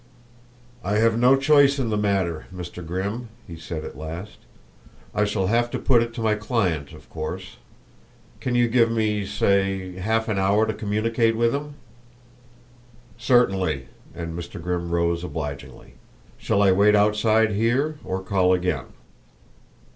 "I have no choice in the matter, Mr. Grimm," he said at last. "I shall have to put it to my client, of course. Can you give me, say, half an hour to communicate with him?" "Certainly," and Mr. Grimm rose obligingly. "Shall I wait outside here or call again?"